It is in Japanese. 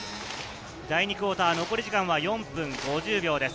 第２クオーター、残り時間は４分５０秒です。